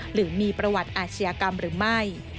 หรือมีประวัติอาชญากรรมหรือไม่